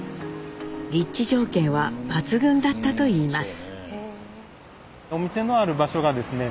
立地条件は抜群だったといいます。